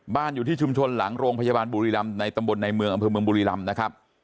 อยู่ที่ชุมชนหลังโรงพยาบาลบุรีรำในตำบลในเมืองอำเภอเมืองบุรีรำนะครับ